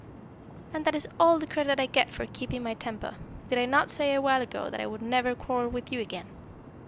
"And that is all the credit I get for keeping my temper! Did I not say a while ago that I would never quarrel with you again?"